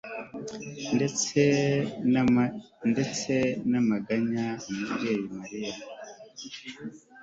ndetse n'amaganya, umubyeyi mariya